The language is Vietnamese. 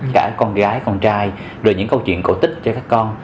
cả con gái con trai rồi những câu chuyện cổ tích cho các con